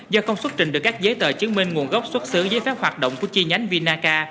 do không xuất trình được các giấy tờ chứng minh nguồn gốc xuất xứ giấy phép hoạt động của chi nhánh vinaca